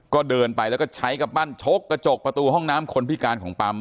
ก็เดินไปแล้วก็ใช้กำปั้นชกกระจกประตูห้องน้ำคนพิการของปั๊ม